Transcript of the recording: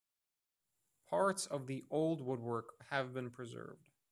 Parts of the old woodwork have been preserved.